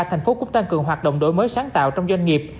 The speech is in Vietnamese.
thành phố cũng tăng cường hoạt động đổi mới sáng tạo trong doanh nghiệp